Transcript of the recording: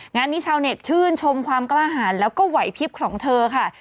งานนี้ชาวเน็ตชื่นชมความกล้าหารแล้วก็ไหวพลิบของเธอค่ะ